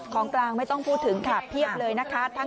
ของกลางไม่ต้องพูดถึงค่ะเพียบเลยนะคะ